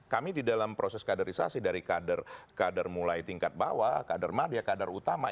kami di dalam proses kaderisasi dari kader mulai tingkat bawah kader madia kader utama